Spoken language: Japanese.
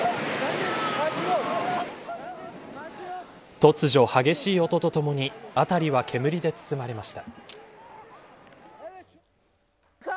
突如、激しい音とともに辺りは煙で包まれました。